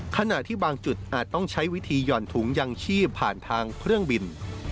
ขณะที่บางจุดอาจต้องใช้วิธีหย่อนถุงยังชีพผ่านทางเครื่องบิน